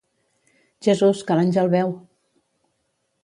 Jesús, que l'àngel beu!